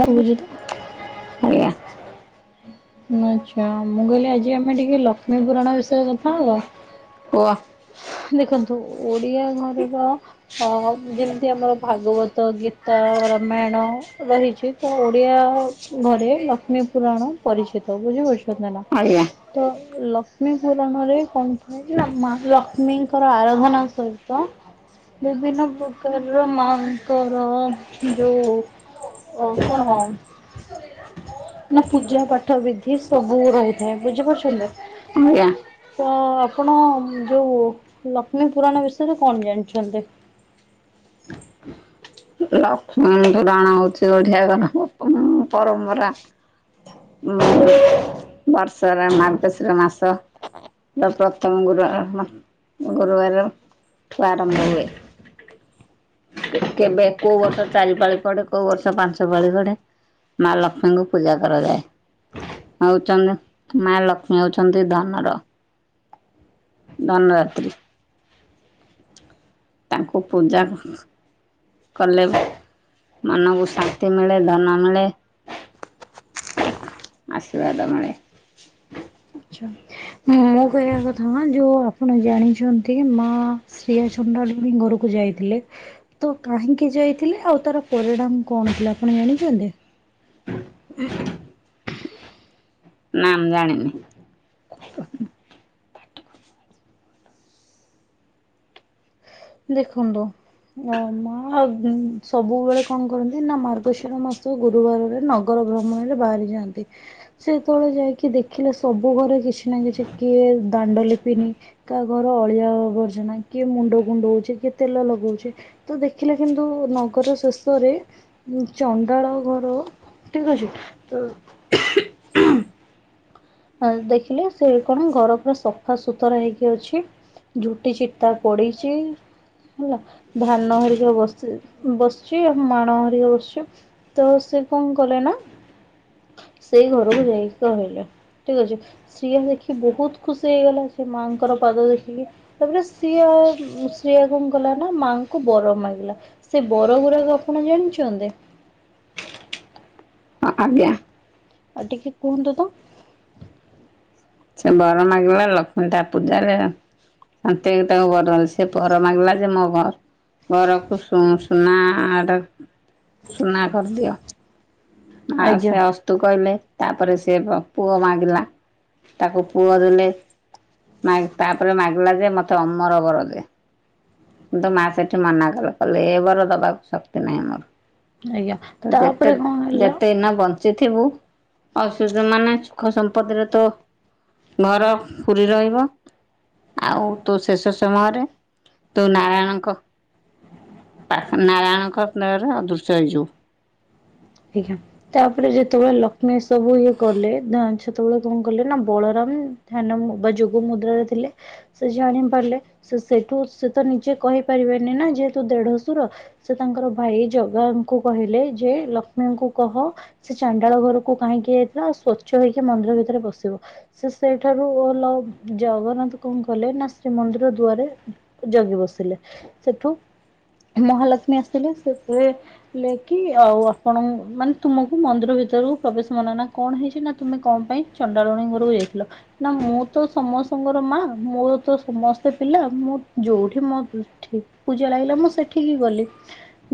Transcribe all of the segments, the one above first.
ମୁ ବୁଜୁଦ ଆଚ୍ଛା ମୁଁ କହିଲି ଆଜି ଆମେ ଟିକେ ଲକ୍ଷ୍ମୀ ପୁରାଣ ବିଷୟରେ କଥା ହବା। ଉଆ ଦେଖନ୍ତୁ ଓଡ଼ିଆ ଘରର ଅ ଯେମିତି ଆମର ଭାଗବ ତ ଗୀତା ଓ ରାମାୟଣ ରହିଛି ତ ଓଡ଼ିଆ ଘରେ ଲକ୍ଷ୍ମୀ ପୁରାଣ ପରିଚିତ, ବୁଝିପାରୁଛନ୍ତି ନା? ତ ଲକ୍ଷ୍ମୀ ପୁରାଣରେ କଣ ଥାଏ ନା ମା ଲକ୍ଷ୍ମୀଙ୍କର ଆରଧନା ସହିତ ବିଭିନ୍ନ ପ୍ରକାରର ମାଆଙ୍କର ଯୋଉ ଓ କଣ କଣ? [inaudible] ଆଜ୍ଞା। ତ ଆପଣ ଯୋଉ ଲକ୍ଷ୍ମୀ ପୁରାଣ ବିଷୟରେ କଣ ଜାଣିଛନ୍ତି? ଲକ୍ଷ୍ମୀଙ୍କି ବାଣ ହୋଉଛି ଓଢ଼ିଆର କଣ ପରମ୍ପରା। ଉଁ ଉଁ ବର୍ଷରେ ମାର୍ଗଶିର ମାସ ର ପ୍ରଥମ ଗୁରୁଆର ଗୁରୁବାର ଠୁ ଆରମ୍ଭ ହୁଏ। ଏ କେବେ କୋଉ ବର୍ଷ ଚାରି ପାଳି ଏକୋଉ ବର୍ଷ ପାଞ୍ଚ ପାଳି ପଡ଼େ ମା ଲକ୍ଷ୍ମୀଙ୍କୁ ପୂଜା କରାଯାଏ। ହଉଛନି ମା ଲକ୍ଷ୍ମୀ ହଉଛନ୍ତି ଧନର ଧନଦାତ୍ରୀ। ତାଙ୍କୁ ପୂଜା କଲେ ମନକୁ ଶା ତି ମିଳେ ଦନା ମିଳେ। ଆଶୀର୍ବାଦ ମିଳେ। ଆଛା ମୋ କହିବା କଥା ମା ଯୋଉ ଆପଣ ଜାଣିଛନ୍ତି ମା ଶ୍ରିୟା ଚଣ୍ଡାଳୁଣୀ ଘରକୁ ଯାଇଥିଲେ। ତ କାହିଁକି ଯାଇଥିଲେ, ଆଉ ତାର ପରିଣାମ କଣ ଥିଲା ଆପଣ ଜାଣିଛନ୍ତି? ଉଁ ନା ମୁଁ ଜାଣିନି। ଦେଖନ୍ତୁ ଆ ମା ସବୁବେଳେ କଣ କରନ୍ତି ନା ମାର୍ଗଶିର ମାସ ଗୁରୁବାରରେ ନଗର ଭ୍ରମଣରେ ବାହାରି ଯାଆନ୍ତି। ସେତେବେଳେ ଯାଇକି ଦେଖିଲେ ସବୁ ଘରେ କିଛି ନା କିଛି କିଏ ଦାଣ୍ଡଲିପିନି କାହା ଘର ଅଳିଆ ଆବର୍ଜନା କିଏ ମୁଣ୍ଡ କୁଣ୍ଡଉଛି କିଏ ତେଲ ଲଗଉଛି ତ ଦେଖିଲେ କିନ୍ତୁ ନଗର ଶେଷରେ ଚଣ୍ଡାଳ ଘର ଠିକ ଅଛି ତ ଆ ଦେଖିଲେ ସେ କଣ ଘର ପୁରା ସଫା ସୁତର ହେଇକି ଅଛି। ଝୋଟି ଚିତା ପଡ଼ିଚି। ହେଲା ଧାନ ହେରିକା ବସି ବସିଚି ମାଣ ହେରିକା ବସିଚି। ତ ସେ କଣ କରେ ନା ସେଇ ଘରକୁ ଯାଇକି କହିଲେ ଠିକ ଅଛି। ସିଏ ଦେଖି ବହୁତ ଖୁସି ହେଇଗଲା। ସେ ମାଆଙ୍କର ପାଦ ଦେଖିକି ତାପରେ ସିଆ ଆଉ ସିଆ କଣ କଲା ନା ମାଆଙ୍କୁ ବର ମାଗିଲା। ସେ ବର ଗୁଡାକ ଆପଣ ଜାଣିଚନ୍ତି? ଆ ଟିକେ କୁହନ୍ତୁ ତ? ସେ ବର ମାଗିଲା ଲକ୍ଷ୍ମୀ ତା ପୂଜାରେ [unintelligible] ତାକୁ ବର ଦେ ସେ ବର ମାଗିଲା ଯେ ମୋ ଘ ଘରକୁ ସୁନା ଆଡ ସୁନା କରିଦିଅ। ଆ ସେ ଅସ୍ ତୁ କହିଲେ। ତାପରେ ସେ ପୁଅ ମାଗିଲା। ତାକୁ ପୁଅ ଦେଲେ। ମାଗ ତାପରେ ମାଗିଲା ଯେ ମୋତେ ଅମର ବର ଦେ? କିନ୍ତୁ ମା ସେଠି ମନା କଲେ। କହଲେ ଏ ବର ଦବାକୁ ଶକ୍ତି ନାହିଁ ଆ ମୋର। ତ ଯେତେ ଯେତେ ଦିନ ବଞ୍ଚିଥିବୁ ଔସୁଧ ମାନେ ସୁଖ ସମ୍ପଦରେ ତୋ ଘର ପୁରି ରହିବ ଆଉ ତୋ ଶେଷ ସମୟରେ ତୁ ନାରାୟଣଙ୍କ ପାଖ ନାରାୟଣଙ୍କ ଦେହରେ ଅଦୃଶ୍ୟ ହେଇଯିବୁ। ଆଜ୍ଞା। ତାପରେ ଯେତେବେଳେ ଲକ୍ଷ୍ମୀ ସବୁ ଇଏ କଲେ ଯାଞ୍ଚ ସେତେବେଳେ କଣ କଲେ ନା ବଳରାମ ଧ୍ୟାନ ମୁ ବା ଯୋଗ ମୁଦ୍ରା ରେ ଥିଲେ। ସେ ଜାଣି ପାରିଲେ। ସେ ସେଇଠୁ ସେ ତ ନିଜେ କହିପାରିବେନି ନା ଯେହେତୁ ଦେଢଶୁର। ସେ ତାଙ୍କର ଭାଇ ଜଗାଙ୍କୁ କହିଲେ ଯେ ଲକ୍ଷ୍ମୀଙ୍କୁ କହ ସେ ଚାଣ୍ଡାଳ ଘରକୁ କାହିଁକି ଯାଇଥିଲା? ସ୍ଵଛ ହେଇକି ମନ୍ଦିର ଭିତରେ ପସିବ। ସେ ସେଇଠାରୁ ହେଲ ଜଗନ୍ନାଥ କଣ କଲେ ନା ଶ୍ରୀମନ୍ଦିର ଦୁଆରେ ଜଗି ବସିଲେ ସେଠୁ ମହାଲକ୍ଷ୍ମୀ ଆସିଲେ। ସେତେ କହିଲେକି ଆଉ ଆପଣ ମାନେ ତୁମକୁ କୁ ମନ୍ଦିର ଭିତରରୁ ପ୍ରବେଶ ମନା। ନା କଣ ହେଇଚି ନା ତୁମେ କଣ ପାଇଁ ଚଣ୍ଡାଳୁଣୀ ଘରକୁ ଯାଇଥିଲ? ନା ମୁଁ ତ ସମସ୍ତଙ୍କର ମା। ମୋର ତ ସମସ୍ତେ ପିଲା। ମୁଁ ଯୋଉଠି ମୋ ଠିକ କ ପୂଜା ଲାଗିଲା ମୁଁ ସେଠିକି ଗଲି।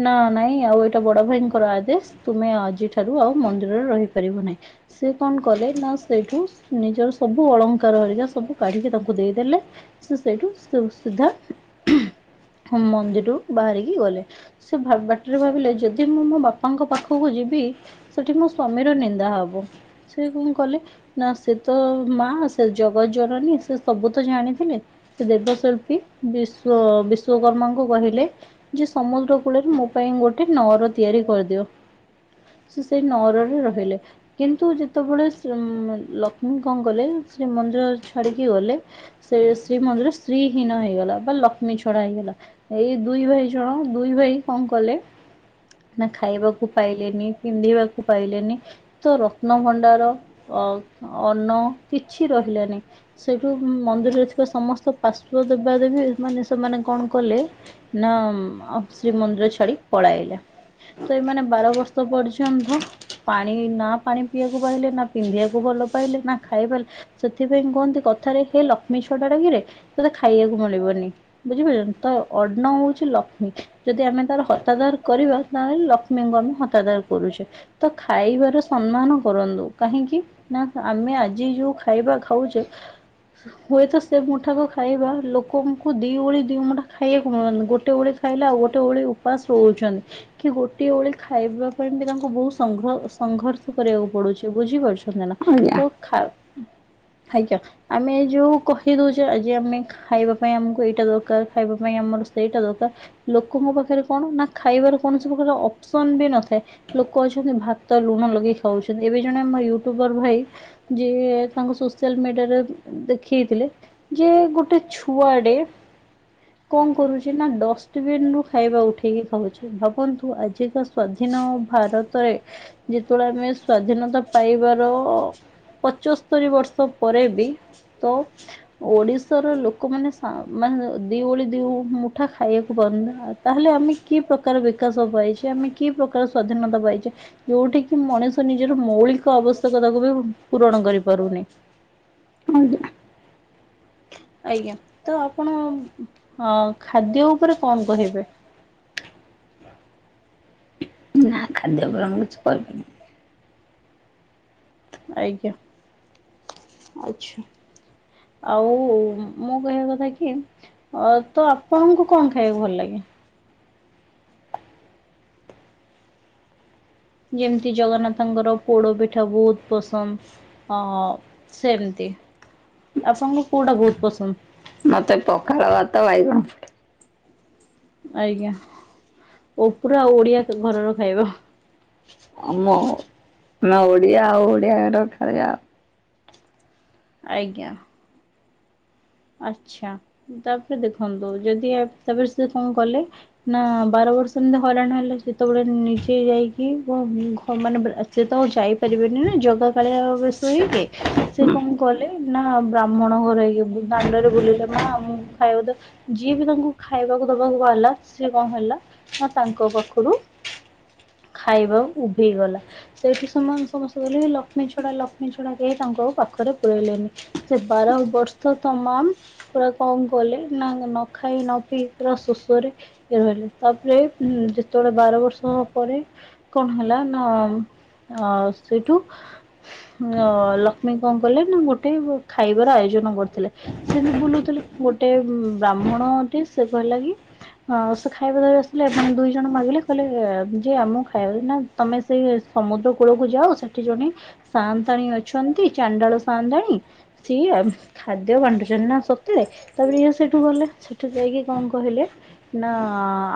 ନା ନାଇଁ ଆଉ ଏଇଟା ବଡ ଭାଇଙ୍କର ଆଦେଶ। ତୁମେ ଆଜି ଠାରୁ ଆଉ ମନ୍ଦିରରେ ରହିପାରିବ ନାହିଁ। ସେ କଣ କଲେ ନା ସେଇଠୁ ନିଜର ସବୁ ଅଳଙ୍କାର ହରିକା ସବୁ କାଢିକି ତାଙ୍କୁ ଦେଇଦେଲେ। ତ ସେ ସେଇଠୁ ସିଧା ମନ୍ଦିରରୁ ବାହାରିକି ଗଲେ। ସେ ବ ବାଟରେ ଭାବିଲେ ଯଦି ମୁଁ ମୋ ବାପାଙ୍କ ପାଖକୁ ଯିବି ସେଠି ମୋ ସ୍ଵାମୀର ନିନ୍ଦା ହବ। ସେ କଣ କଲେ ନା ସେ ତ ମା ସେ ଜଗତ ଜନନୀ। ସେ ସବୁ ତ ଜାଣିଥିଲେ। ସେ ଦେବଶିଳ୍ପୀ ବି ଶ୍ୱ ବିଶ୍ଵକର୍ମାଙ୍କୁ କହିଲେ ଯେ ସମୁଦ୍ର କୂଳରେ ମୋ ପାଇଁ ଗୋଟେ ନଅର ତିଆରି କରିଦିଅ। ସେ ସେଇ ନଅରରେ ରହିଲେ କିନ୍ତୁ ଯେତେବେଳେ ଉଁ ଉଁ ଲକ୍ଷ୍ମୀ କଣ କଲେ? ଶ୍ରୀମନ୍ଦିର ଛାଡିକି ଗଲେ ସେ ଶ୍ରୀମନ୍ଦିର ଶ୍ରୀ ହୀନ ହେଇଗଲା ବା ଲକ୍ଷ୍ମୀ ଛଡା ହେଇଗଲା। ଏଇ ଦୁଇ ଭାଇ ଜଣ ଦୁଇ ଭାଇ କଣ କଲେ ନା ଖାଇବାକୁ ପାଇଲେନି। ପିନ୍ଧିବାକୁ ପାଇଲେନି ତ ରତ୍ନଭଣ୍ଡାର ଅ ଅନ୍ନ କିଛି ରହିଲାନି। ସେଇଠୁ ମନ୍ଦିରରେ ଥିବା ସମସ୍ତ ପାର୍ଶ୍ୱ ଦେବା ଦେବୀ ମାନେ ସେମାନେ କଣ କଲେ ନା ଅପ୍ସ ଶ୍ରୀମନ୍ଦିର ଛାଡି ପଳେଇଲା ତ ଏମାନେ ବାର ବର୍ଷ ପରେ ଅନ୍ଧ। ପାଣି ନା ପାଣି ପିଇବାକୁ ପାଇଲେ ନା ପିନ୍ଧିବାକୁ ଭଲ ପାଇଲେ ନା ଖାଇପାରିଲେ। ସେଥିପାଇଁ କୁହନ୍ତି କଥାରେ ହେ ଲକ୍ଷ୍ମୀ ଛଡାଟା କିରେ ତତେ ଖାଇବାକୁ ମିଳିବନି। ବୁଝିପାରିଲ ତ ଅନ୍ନ ହଉଚି ଲକ୍ଷ୍ମୀ। ଯଦି ଆମେ ତାର ହତାଦାର କରିବା ତାହେଲେ ଲକ୍ଷ୍ମୀଙ୍କୁ ଆମେ ହତାଦାର କରୁଛେ। ତ ଖାଇବାର ସମ୍ମାନ କରନ୍ତୁ କାହିଁକି ନା ଆମେ ଆଜି ଯୋଉ ଖାଇବା ଖାଉଛେ ହୁଏତ ସେ ମୁଠାକ ଖାଇବା ଲୋକଙ୍କୁ ଦି ଓଳି ଦି ମୁଠା ଖାଇବାକୁ ମିଳୁନି ଗୋଟେ ଓଳି ଖାଇଲେ ଆଉ ଗୋଟେ ଓଳି ଉପାସ ରହୁଛନ୍ତି କି ଗୋଟେ ଓଳି ଖାଇବା ପାଇଁ ବି ତାଙ୍କୁ ବହୁତ ସଂଘ୍ର ସଂଘର୍ଷ କରିବାକୁ ପଡୁଛି ବୁଝି ପାରୁଛନ୍ତି ନା ତ ଖା ଆଜ୍ଞା ଆମେ ଏଇ ଯୋଉ କହି ଦଉଛେ ଆଜି ଆମେ ଖାଇବା ପାଇଁ ଆମକୁ ଏଇଟା ଦରକାର ଖାଇବା ପାଇଁ ଆମର ସେଇଟା ଦରକାର ଲୋକଙ୍କ ପାଖରେ କଣ ନା ଖାଇବାର କୌଣସି ପ୍ରକାର ଅପ୍ସନ୍ ବି ନଥାଏ। ଲୋକ ଅଛନ୍ତି ଭାତ ଲୁଣ ଲଗେଇ ଖାଉଛନ୍ତି ଏବେ ଜଣେ ଆମ ୟୁଟୁବର ଭାଇ ଯିଏ ତାଙ୍କୁ ସୋସିଆଲ ମିଡିଆରେ ଦେଖେଇଥିଲେ ଯେ ଗୋଟେ ଛୁଆଡେ କଣ କରୁଛି ନା ଡଷ୍ଟବିନ ରୁ ଖାଇବା ଉଠେଇକି ଖାଉଛି ଭାବନ୍ତୁ ଆଜିକା ସ୍ଵାଧୀନ ଭାରତରେ ଯେତେବେଳେ ଆମେ ସ୍ଵାଧୀନତା ପାଇବାର ପଚୋ ସ୍ତୋରି ବର୍ଷ ପରେ ବି ତ ଓଡିଶାର ଲୋକମାନେ ସ ମାନେ ଦିଓଳି ଦି ମୁଠା ଖାଇବାକୁ ପାଉ ଦାତ ତାହେଲେ ଆମେ କି ପ୍ରକାର ବିକାଶ ପାଇଛେ ଆମେ କି ପ୍ରକାର ସ [unintelligible] [unintelligible] ଆଜ୍ଞା ତ ଆପଣ ହଁ ଖାଦ୍ୟ ଉପରେ କଣ କହିବେ? ନା ଖାଦ୍ୟ ଉପରେ ମୁଁ କିଛି କହିବିନି। ଆଜ୍ଞା ଆଚ୍ଛା। ଆଉ ମୁଁ କହିବା କଥା କି ଅ ତ ଆପଣଙ୍କୁ କଣ ଖାଇବାକୁ ଭଲ ଲାଗେ? [unintelligible] ସେମତି। ମାଉସୀ ତମକୁ କଉଟା ବହୁତ୍ ପସନ୍ଦ ମତେ ପଖଳ ଭାତ ବାଇଗଣ। ଆଜ୍ଞା ଓ ପୁରା ଓଡିଆ ଗ ଘରର ଖାଇବା। ଆମ ଆମେ ଓଡିଆ ଆଉ ଓଡିଆ ର ଖଇବା ଆଜ୍ଞା। ଆଚ୍ଛା ତାପରେ ଦେଖନ୍ତୁ ଯଦି ଆପ ତାପରେ ସେ କଣ କଲେ ନା ବାର ବର୍ଷ ଏମିତି ହଇରାଣ ହେଲେ ଯେତେବେଳେ ନିଜେ ଯାଇକି କି ବ ଘ ମାନେ ବେ ସେ ତ ଆଉ ଯାଇପାରିବେନି ନା ଜଗା କାଳିଆ ବେସ ହେଇକି ସେ କଣ କଲେ ନା ବ୍ରାହ୍ମଣ ଘର ଇଏ ବୁ ଦାଣ୍ଡରେ ବୁଲିଲେ ମା ଆମକୁ ଖାଇବା ଦିଅ ଯିଏ ବି ତାଙ୍କୁ ଖାଇବାକୁ ଦବାକୁ ବାହାରିଲା ସେ କଣ ହେଲା ନା ତାଙ୍କ ପାଖରୁ ଖାଇବା ଉଭେଇ ଗଲା ସେଇଠୁ ସମ ସମସ୍ତେ କହିଲେ କି ଲକ୍ଷ୍ମୀ ଛଡ଼ା ଲକ୍ଷ୍ମୀ ଛଡ଼ା କେହି ତାଙ୍କୁ ଆଉ ପାଖରେ ପୁରେଇଲେନି ସେ ବାର ବର୍ଷ ତ ମମ୍ ପୁରା କଣ କଲେ ନା ନ ଖାଇ ନ ପିଇ ପୁରା ଶୋଷରେ ଇଏ ରହିଲେ ତାପରେ ଯେତେବେଳେ ବାର ବର୍ଷ ପରେ କଣ ହେଲା ନ ଅ ସେଠୁ ଅ ଲକ୍ଷ୍ମୀ କଣ କଲେ ନା ଗୋଟେ ଖାଇବାର ଆୟୋଜନ କରିଥିଲେ? ସେମିତି ବୁଲୁଥିଲେ ଗୋଟେ ବ୍ରାହ୍ମଣ ଟେ ସେ କହିଲା କି ହଁ ସେ ଖାଇବା ଧାରି ବସିଲେ ମାନେ ଦୁଇ ଜଣ ମାଗିଲେ କହିଲେ ଯେ ଆମକୁ ଖାଇବା ନା ତମେ ସେଇ ସମୁଦ୍ର କୂଳକୁ ଯାଅ ସେଠି ଜଣେ ସାଆନ୍ତାଣୀ ଅଛନ୍ତି ଚାଣ୍ଡାଳ ସାଆଁନ୍ତାଣୀ ସିଏ ଖାଦ୍ ଦେ ବାଣ୍ଟୁଛନ୍ତି ନା ସତେରେ ତାପରେ ଇ ସେଇଠୁ ଗଲେ ସେଠୁ ଯାଇକି କଣ କହିଲେ ନା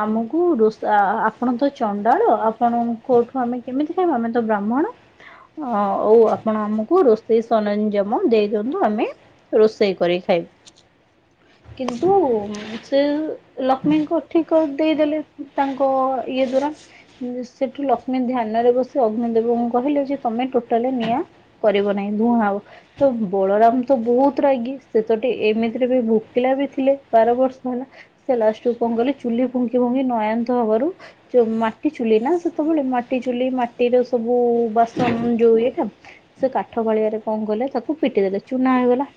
ଆମକୁ ରୋଷ ଆ ଆ ଆପଣ ତ ଚଣ୍ଡାଳ ଆପଣ କୋଉଠୁ ଆମେ କେମିତି ଖାଇବୁଆମେ ତ ବ୍ରାହ୍ମଣ, ଆଉ ଆପଣ ଆମକୁ ରୋଷେଇ ସରଞ୍ଜମ ଆପଣ ଦେଇ ଦିଅନ୍ତୁ, ଆମେ ରୋଷେଇ କରିକି ଖାଇବୁ। କିନ୍ତୁ, ସେଲକ୍ଷ୍ମୀଙ୍କୁ ଠିକିକରି ଦେଇଦେଲେ ତାଙ୍କ ଇଏ ଦ୍ଵାରା ସେଠୁ ଲକ୍ଷ୍ମୀ ଧ୍ୟାନରେ ବସି ଅଗ୍ନି ଦେବଙ୍କୁ କହିଲେ, ଯେତମେ ଟୋଟାଲି ନିଆଁ କରିବ ନାହିଁ ଧୁଆଁ ହେବ ତବଳରାମତ ବହୁତ୍ ବହୁତ୍ ରାଗି ସେତ ଏମିତିରେବି ଭୋକିଲାବି ଥିଲେ, ବାର ବର୍ଷ ହେଲା ସେଲାଷ୍ଟକୁ କଣ କଲେ ଚୁଲି ଫୁଙ୍କିଫୁଙ୍କି ନୟନ୍ତ ହବାରୁ ଜଉ ମାଟି ଚୁଲିନା ସେତେବେଳେ ମାଟିଚୁଲି ମାଟିର ସବୁ ବାସନ ଯୋଉ ଇଏଟା ସେକାଠ ଫାଳିଆରେ କଣ କଲେ ତାକୁ ପିଟି ଦେଲେ ଚୁନା ହୋଇଗଲା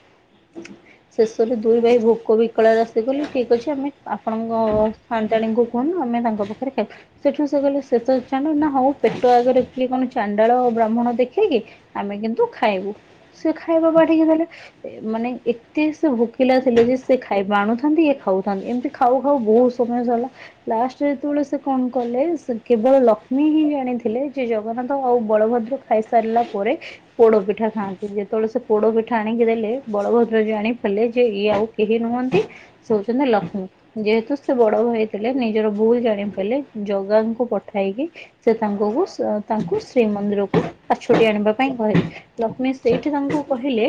ଶେଷରେ ଦୁଇ ଭାଇ ଭୋକ ବିକଳରେ ଆସି କଇଲେ ଠିକ୍ ଅଛି ଆମେ ଆପଣଙ୍କ ସାନ୍ତାଣୀଙ୍କୁ କୁହନ୍ତୁ ଆମେ ତାଙ୍କ ପାଖରେ ଖାଇ ସେଠୁ ସେକହିଲେ ସେତ ଚାଣ୍ଡ ନାହଉ ପେଟ ଆଗରେ କିଏ କଣ ଚାଣ୍ଡାଳ ବ୍ରାହ୍ମଣ ଦେଖିକି? ଆମେ କିନ୍ତୁ ଖାଇବୁ ସେଖାଇବା ବାଢିକି ଦେଲେ। ମାନେ ଏତେ ସେଭୋକିଲା ଥିଲେଯେ ସେଖାଇବା ଆଣୁଥାନ୍ତି ଇଏ ଖାଉଥାନ୍ତି ଏମିତି ଖାଉ ଖାଉ ବହୁ ସମୟ ସରିଲା ଲାଷ୍ଟରେ ଯେତେବେଳେ ସେକଣ କଲେ କେବଳ ଲକ୍ଷ୍ମୀହିଁ ଜାଣିଥିଲେ ଯେଜଗନ୍ନାଥ ଆଉ ବଳଭଦ୍ର ଖାଇସାରିଲା ପରେ ପୋଡ଼ପିଠା ଖାଆନ୍ତି ଯେତେବେଳେ ସେପୋଡ଼ପିଠା ଆଣିକି ଦେଲେ ବଳଭଦ୍ର ଜାଣି ପାରଥିଲେଯେ ଇଏ ଆଉ କେହି ନୁହନ୍ତି, ସେହଉଚନ୍ତି ଲକ୍ଷ୍ମୀ। ଯେହେତୁ ସେବଡ଼ଭାଇ ଥିଲେ ନିଜର ଭୁଲ ଜାଣି ପାରିଲେ ଜଗାଙ୍କୁ ପଠାଇକି ସେ ତାଙ୍କୁକୁ ତାଙ୍କୁ ଶ୍ରୀମନ୍ଦିରକୁ ପାଛଡ଼ି ଆଣିବା ପାଇଁ କହିଲେ। ଲକ୍ଷ୍ମୀ ସେଇଠି ତାଙ୍କୁ କହିଲେ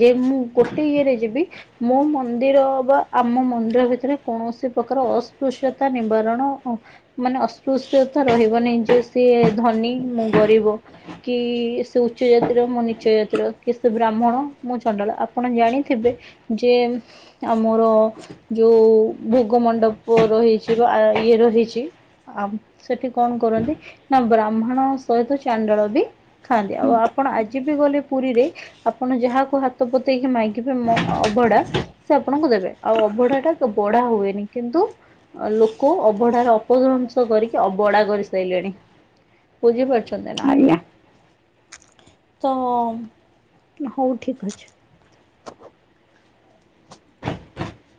ଯେ ମୁଁ ଗୋଟେ ଇଏରେ ଯିବି ମୋ ମନ୍ଦିର ବା ଆମ ମନ୍ଦିର ଭିତରେ କୌଣସି ପ୍ରକାର ଅସ୍ପୃଶ୍ୟତା ନିବାରଣ ମାନେ ଅସ୍ପୃଶ୍ୟତା ରହିବନିଁ ଯେସିଏ ଧନୀ ମୁଁ ଗରିବ କି ସେଉଚ୍ଚଜାତିର ମୁ ନିଚଜାତିର କିସେ ବ୍ରାହ୍ମଣ ମୁଁ ଚଣ୍ଡାଳ ଆପଣ ଜାଣିଥିବେ ଯେ ଆମର ଯୋଉ ଭୋଗ ମଣ୍ଡପ ରହିଚି, ବା ଆଁ ଇଏ ରହିଚି ଆ ସେଠି କଣ କରନ୍ତି ନାବ୍ରାହ୍ମଣ ସହିତ ଚାଣ୍ଡଳବି ଖାଆନ୍ତି ଆଉ ଆପଣ ଆଜିବି ଗଲେ ପୁରୀରେ ଆପଣ ଯାହା ହାତ ପତେଇକି ମାଗିବେ ମୋଅବଡ଼ା ସେ ଆପଣଙ୍କୁ ଦେବେ ଆଉ ଅବଢାଟା ବଢା ହୁଏନି କିନ୍ତୁ ଲୋକ ଅବଢାର ଅପଧଂସ କରିକି ଅବଢ଼ା କରିସାରିଲେଣି। ବୁଝିପାରୁଛନ୍ତିନା? ତ ହଉ ଠିକ୍ଅଛି।